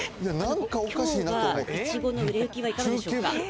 今日はいちごの売れ行きはいかがでしょうか？